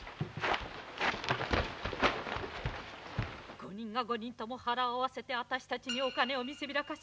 五人が五人とも腹を合わせてあたし達にお金を見せびらかし。